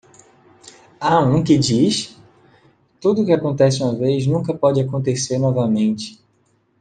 Há um que diz? 'Tudo o que acontece uma vez nunca pode acontecer novamente.